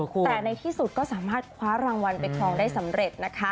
แต่ในที่สุดก็สามารถคว้ารางวัลไปครองได้สำเร็จนะคะ